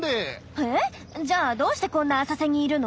えっじゃあどうしてこんな浅瀬にいるの？